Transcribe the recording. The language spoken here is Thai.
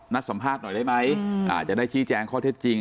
สัมภาษณ์หน่อยได้ไหมจะได้ชี้แจงข้อเท็จจริง